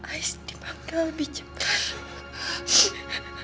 ais dimanggil bijepan